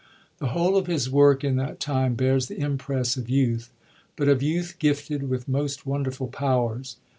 The whole of his work in that time bears the impress of youth, but of youth gifted with most wonderful powers.